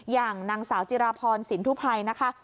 อย่างนางสาวจิราพรสินทุไพรนะคะ